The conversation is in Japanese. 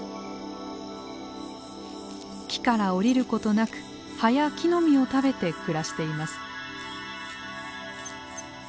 木から下りることなく葉や木の実を食べて暮らしています。